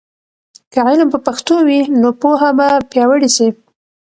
که علم په پښتو وي، نو پوهه به پیاوړې سي.